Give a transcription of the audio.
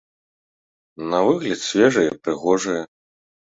На выгляд свежае і прыгожае.